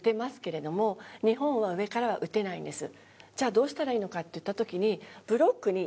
じゃあどうしたらいいのかっていった時に。